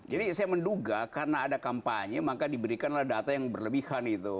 jadi saya menduga karena ada kampanye maka diberikanlah data yang berlebihan itu